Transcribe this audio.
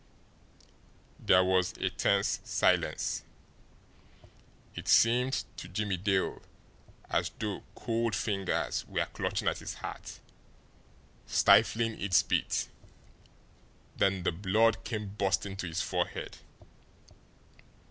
There was a tense silence. It seemed to Jimmie Dale as though cold fingers were clutching at his heart, stifling its beat then the blood came bursting to his forehead.